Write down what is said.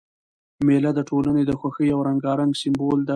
مېله د ټولني د خوښۍ او رنګارنګۍ سېمبول ده.